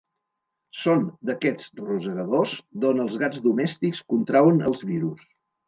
Són d'aquests rosegadors d'on els gats domèstics contrauen els virus.